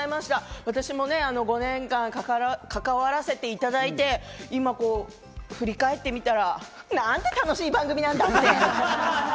私も５年間、関わらせていただいて、今振り返ってみたら、なんて楽しかったね。